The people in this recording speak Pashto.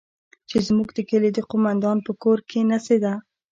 چې زموږ د کلي د قومندان په کور کښې نڅېده.